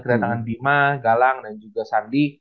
kedatangan bima galang dan juga sandi